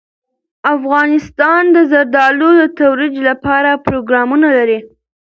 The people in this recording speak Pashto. افغانستان د زردالو د ترویج لپاره پروګرامونه لري.